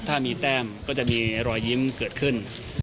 ถ้ามีแต้มก็จะมีรอยยิ้มเกิดขึ้น